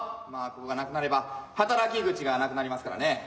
まあここがなくなれば働き口がなくなりますからね。